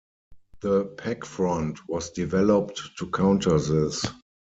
The "pakfront" was developed to counter this.